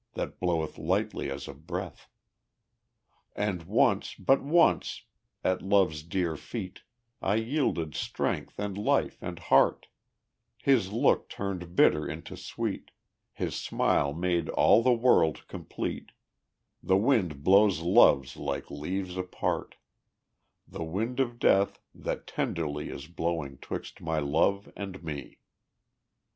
That bloweth lightly as a breath. And once, but once, at Love's dear feet I yielded strength and life and heart; His look turned bitter into sweet, His smile made all the world complete The wind blows loves like leaves apart The wind of death, that tenderly Is blowing 'twixt my love and me.